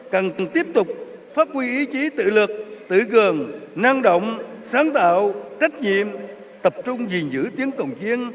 cần tiếp tục phát huy ý chí tự lực tự cường năng động sáng tạo trách nhiệm tập trung gìn giữ tiếng cồng chiên